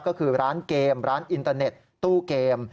ก็คือร้านเกมร้านอินเตอร์เน็ตตู้เกม